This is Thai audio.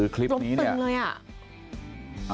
คลิปนี้ตึงเลยอ่ะ